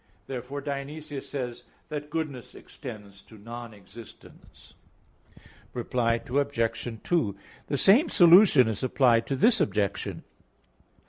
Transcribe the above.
Therefore Dionysius says that "goodness extends to non existence" (Div. Nom. v). Reply Obj. 2: The same solution is applied to this objection.